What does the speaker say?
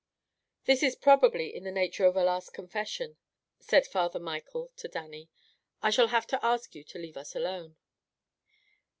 "This is probably in the nature of a last confession," said Father Michael to Dannie, "I shall have to ask you to leave us alone."